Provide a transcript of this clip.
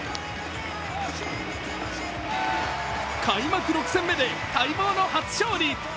開幕６戦目で待望の初勝利。